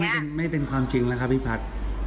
อ๋อแสดงว่าไม่เป็นความจริงแล้วครับน้องพลัด